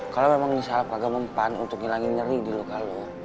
kalau memang ini salah peragam empan untuk ngilangin ngeri di lokal lo